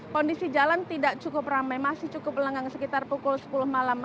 kondisi jalan tidak cukup ramai masih cukup lengang sekitar pukul sepuluh malam